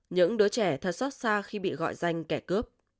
những đứa trẻ thật xót xa khi bị gọi danh kẻ cướp